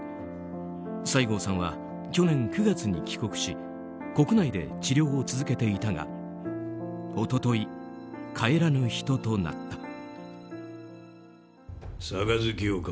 西郷さんは去年９月に帰国し国内で治療を続けていたが一昨日、帰らぬ人となった。